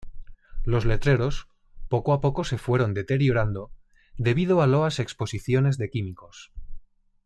Los letreros poco a poco se fueron deteriorando debido a loas exposiciones de químicos.